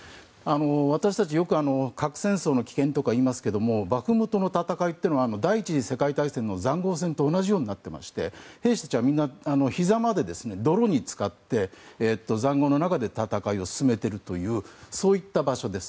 私たち、よく核戦争の危険とか言いますけれどもバフムトの戦いというのは第１次世界大戦の塹壕戦と同じようになっていて兵士たちはひざまで泥につかって塹壕の中で戦いを進めているという場所です。